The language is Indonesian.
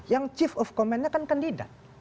yang chief of command nya kandidat